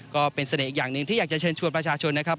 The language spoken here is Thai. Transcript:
ก็เป็นเสน่ห์อีกอย่างหนึ่งที่อยากจะเชิญชวนประชาชนนะครับ